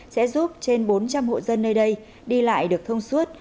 sẽ giúp trên bốn trăm linh hộ dân nơi đây đi lại được thông suốt